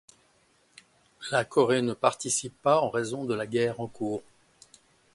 La Corée ne participe pas en raison de la guerre en cours.